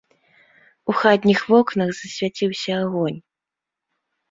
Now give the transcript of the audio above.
У хатніх вокнах засвяціўся агонь.